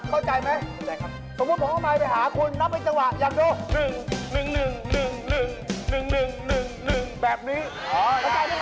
ผมชี้ใครให้เขานักนับภาษาตัวเอง